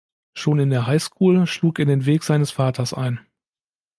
Schon in der High School schlug er den Weg seines Vaters ein.